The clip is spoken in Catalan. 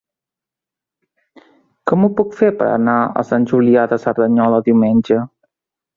Com ho puc fer per anar a Sant Julià de Cerdanyola diumenge?